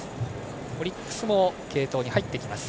オリックスも継投に入ってきます。